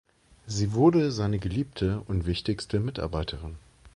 Sie wurde seine Geliebte und wichtigste Mitarbeiterin.